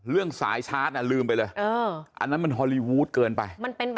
สายชาร์จลืมไปเลยอันนั้นมันฮอลลีวูดเกินไป